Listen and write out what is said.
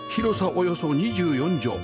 およそ２４畳